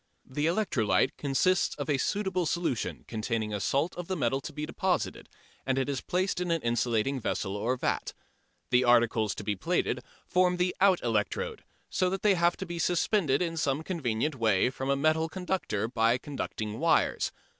The electrolyte consists of a suitable solution containing a salt of the metal to be deposited, and it is placed in an insulating vessel or vat. The articles to be plated form the out electrode, so that they have to be suspended in some convenient way from a metal conductor by conducting wires.